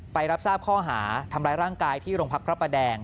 รับทราบข้อหาทำร้ายร่างกายที่โรงพักพระประแดง